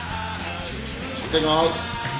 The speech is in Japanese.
いただきます！